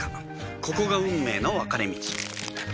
ここが運命の分かれ道